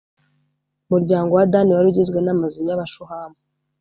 umuryango wa dani wari ugizwe n’amazu y’abashuhamu.